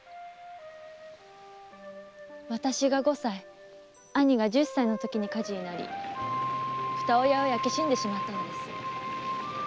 私が五歳兄が十歳のときに火事になりふた親は焼け死んでしまったんです。